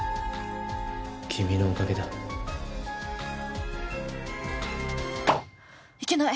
君のおかげだいけない！